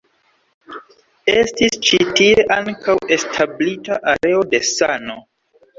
Estis ĉi tie ankaŭ establita areo de sano.